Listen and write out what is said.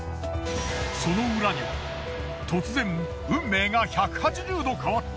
その裏には突然運命が１８０度変わった